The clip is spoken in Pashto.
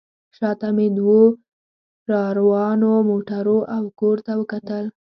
شا ته مې دوو راروانو موټرو او کور ته وکتل.